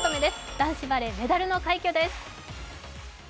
男子バレー、メダルの快挙です。